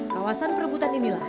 kawasan perebutan inilah